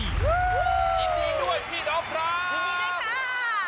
ยินดีด้วยพี่น้องครับยินดีด้วยค่ะ